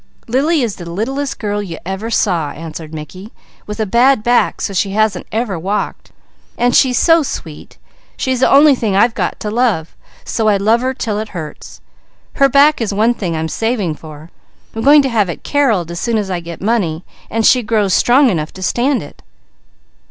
"Lily is the littlest girl you ever saw," answered Mickey, "with a bad back so that she hasn't ever walked; and she's so sweet she's the only thing I've got to love, so I love her 'til it hurts. Her back is one thing I'm saving for. I'm going to have it Carreled as soon as I get money, and she grows strong enough to stand it."